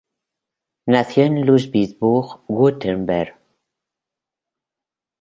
Nació en Ludwigsburg, Württemberg.